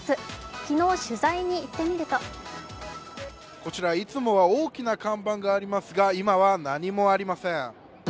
昨日、取材に行ってみるとこちらいつもは大きな看板がありますが今は何もありません。